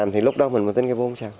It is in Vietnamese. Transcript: thì lúc đó mình tin cái vốn sao